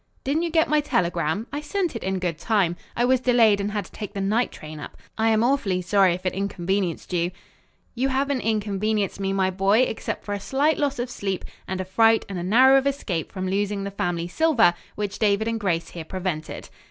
"Didn't you get my telegram? I sent it in good time. I was delayed and had to take the night train up. I am awfully sorry if it inconvenienced you." "You haven't inconvenienced me, my boy, except for a slight loss of sleep, and a fright and a narrow of escape from losing the family silver, which David and Grace, here, prevented."